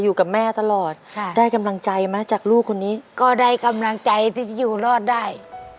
อยู่กับแม่ตลอดค่ะได้กำลังใจไหมจากลูกคนนี้ก็ได้กำลังใจที่จะอยู่รอดได้